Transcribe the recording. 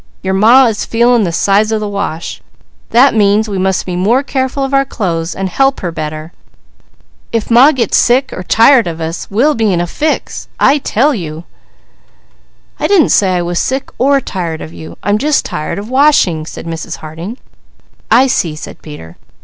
Your Ma is feeling the size of the wash. That means we must be more careful of our clothes and help her better. If Ma gets sick, or tired of us, we'll be in a fix, I tell you!" "I didn't say I was sick, or tired of you, I'm just tired of washing!" said Mrs. Harding. "I see!" said Peter.